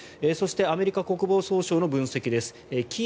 そしてアメリカ国防総省の分析です。